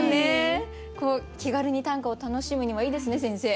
こう気軽に短歌を楽しむにはいいですね先生。